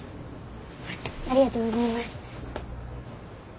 ありがとうございます。